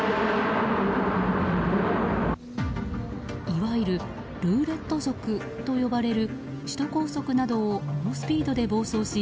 いわゆるルーレット族と呼ばれる首都高速などを猛スピードで暴走し